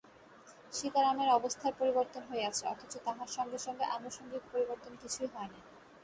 সীতারামের অবস্থার পরিবর্তন হইয়াছে, অথচ তাহার সঙ্গে সঙ্গে আনুষঙ্গিক পরিবর্তন কিছুই হয় নাই।